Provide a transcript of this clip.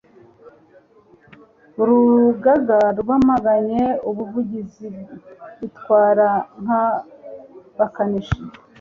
Urugaga rwamaganye abavuzi bitwara nk'abakanishi